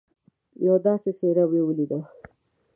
یوه داسي څهره مې ولیده